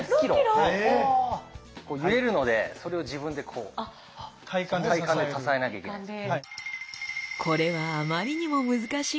揺れるのでそれを自分でこう体幹で支えなきゃいけないんです。